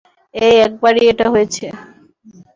এই একবারই এটা হয়েছে।